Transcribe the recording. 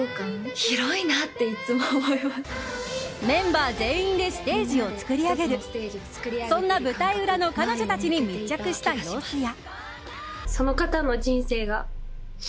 メンバー全員でステージを作り上げるそんな舞台裏の彼女たちに密着した様子や。